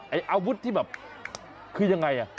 อาวุธที่แบบคือยังไง